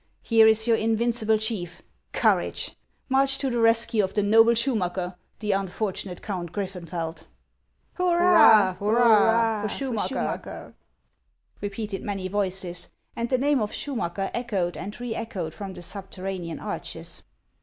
Here is your invincible chief ! Courage ! March to the rescue of the noble Schurnacker, the unfortunate Count Griffenfeld !"" Hurrah ! hurrah for Schuinacker !" repeated many voices ; and the name of Schumacker echoed and re echoed from the subterranean arches.